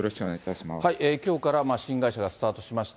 きょうから新会社がスタートしました。